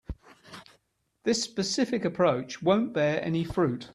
This specific approach won't bear any fruit.